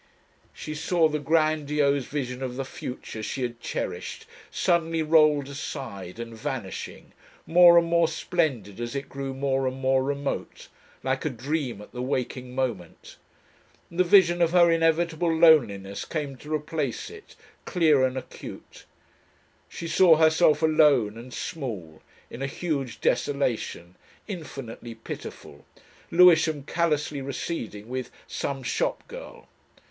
She saw the grandiose vision of the future she had cherished suddenly rolled aside and vanishing, more and more splendid as it grew more and more remote like a dream at the waking moment. The vision of her inevitable loneliness came to replace it, clear and acute. She saw herself alone and small in a huge desolation infinitely pitiful, Lewisham callously receding with "some shop girl."